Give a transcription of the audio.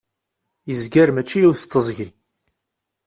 yezger mačči yiwet teẓgi